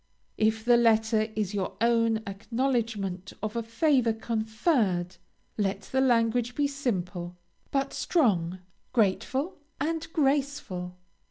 If the letter is your own acknowledgement of a favor conferred, let the language be simple, but strong, grateful, and graceful.